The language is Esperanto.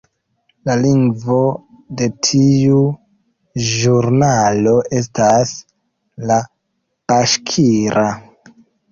La lingvo de tiu ĵurnalo estas la baŝkira.